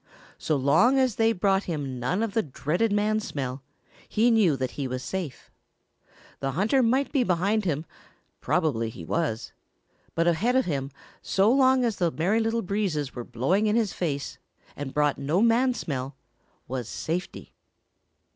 So long as they brought him none of the dreaded man smell, he knew that he was safe. The hunter might be behind him probably he was but ahead of him, so long as the Merry Little Breezes were blowing in his face and brought no man smell, was safety.